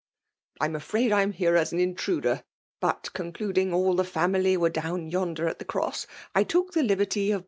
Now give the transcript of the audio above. '* I am afraid I am here as* an: inttroAit But, concluding all the family were down yonder at the Cross, I took the Bberty of KBVAU J3QMmAXl09.